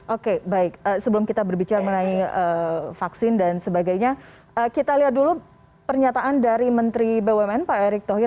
oke baik sebelum kita berbicara mengenai vaksin dan sebagainya kita lihat dulu pernyataan dari menteri bumn pak erick thohir